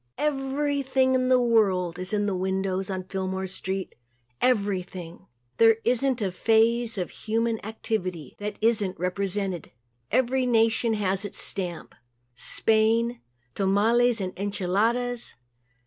Everything in the world is in the windows on Fillmore street everything. There isn't a phase of human activity that isn't represented. Every nation has left its stamp. Spain tamales and enchiladas.